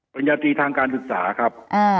เป็นยาตีทางการศึกษาครับ